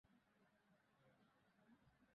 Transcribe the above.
দুপুরে না ঘুমুলে অম্বলের জ্বালা বোধ হয় একটু কমে।